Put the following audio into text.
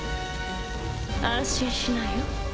安心しなよ。